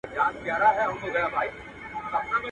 وربه یې سي مرګ په ځان ګوره چي لا څه کیږي!